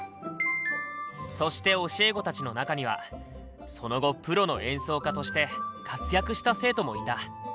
そして教え子たちの中にはその後プロの演奏家として活躍した生徒もいた。